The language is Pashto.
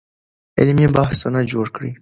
علمي بحثونه جوړ کړئ.